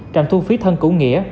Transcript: trạm thu phí thân cửu nghĩa